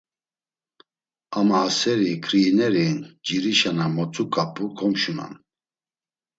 Ama a seri ǩriineri ncirişa na motzuǩap̌u komşunan.”